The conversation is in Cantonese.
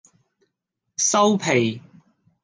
收皮